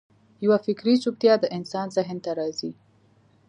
یوه فکري چوپتیا د انسان ذهن ته راځي.